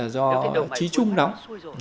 do trí trung đóng